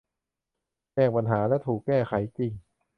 แจ้งแล้วปัญหาถูกแก้ไขจริง